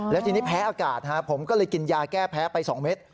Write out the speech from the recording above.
แล้วทีนี้แพ้อากาศผมก็เลยกินยาแก้แพ้ไป๒เม็ด